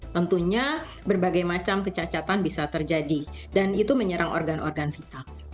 tentunya berbagai macam kecacatan bisa terjadi dan itu menyerang organ organ vital